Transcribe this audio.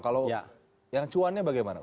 kalau yang cuannya bagaimana